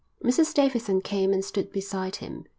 Mrs Davidson came and stood beside him.